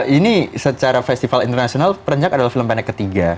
ini secara festival internasional perenjak adalah film pendek ketiga